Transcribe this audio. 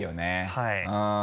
はい。